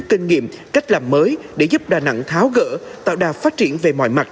kinh nghiệm cách làm mới để giúp đà nẵng tháo gỡ tạo đà phát triển về mọi mặt